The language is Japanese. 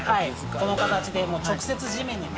この形で。